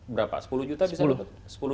berapa sepuluh juta bisa loh